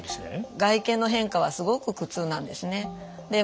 外見の変化はすごく苦痛なんですね。